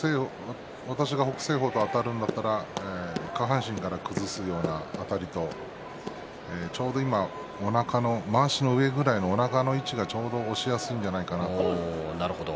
私が北青鵬とあたるんだったら下半身から崩すようなあたりとちょうど今おなかまわしの上ぐらいのおなかの位置が押しやすいんじゃないかなと。